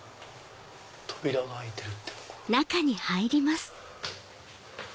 扉が開いてる。